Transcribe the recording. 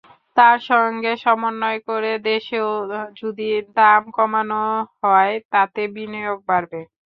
তার সঙ্গে সমন্বয় করে দেশেও যদি দাম কমানো হয়, তাতে বিনিয়োগ বাড়বে।